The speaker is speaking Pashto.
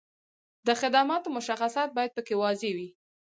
د خدماتو مشخصات باید په کې واضح وي.